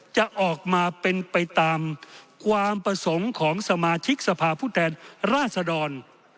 จะออกมาเป็นไปตามความประสงค์ของสมาชิกสภาพผู้แทนราษดร